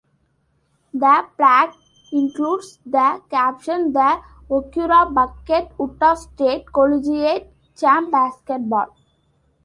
The plaque includes the caption "The Oquirrh Bucket Utah State Collegiate Champ Basketball".